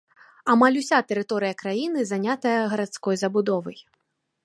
Амаль уся тэрыторыя краіны занятая гарадской забудовай.